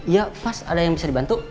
ya fast ada yang bisa dibantu